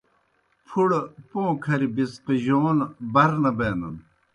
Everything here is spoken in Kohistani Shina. پُھڑہ پوں کھری بِڅقِجَون بر نہ بینَن۔